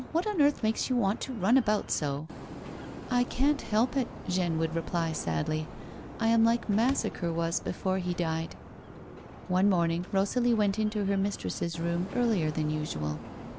What on earth makes you want to run about so 1 "" I can't help it," Jeanne would reply sadly. " I am like Massacre was before he died." One morning Eosalie went into her mistress's room earlier than usual.